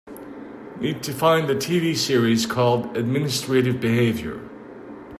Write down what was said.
Need to find the TV series called Administrative Behavior